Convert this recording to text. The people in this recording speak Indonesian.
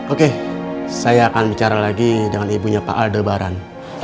oke saya akan bicara lagi dengan ibunya pak aldebaran